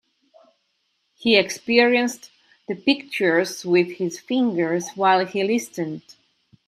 He experienced the pictures with his fingers while he listened.